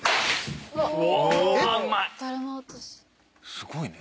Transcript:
すごいね。